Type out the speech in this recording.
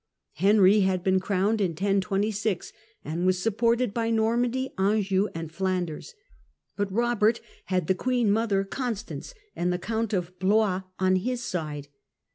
Henry had been crowned in 1026, and was supported by Normandy, Anjou, and Flanders, but Eobert had the queen mother Constance and the Count of Blois on his side.